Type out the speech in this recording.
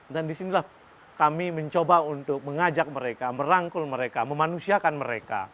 disinilah kami mencoba untuk mengajak mereka merangkul mereka memanusiakan mereka